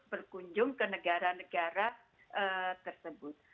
berkunjung ke negara negara tersebut